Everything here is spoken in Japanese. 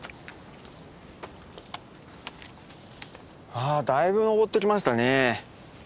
あだいぶ登ってきましたね。